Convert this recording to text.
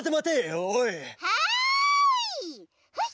はい！